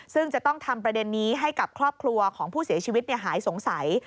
ซึ่งจะต้องทำประเด็นนี้ให้กับครอบครัวของผู้เสียชีวิตหายสงสัย